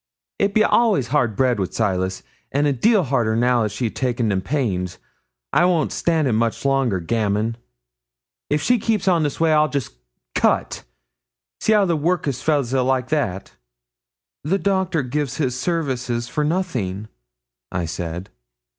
It be all'ays hard bread wi' Silas, an' a deal harder now she' ta'en them pains. I won't stan' it much longer. Gammon! If she keeps on that way I'll just cut. See how the workus fellahs 'ill like that!' 'The Doctor gives his services for nothing,' I said.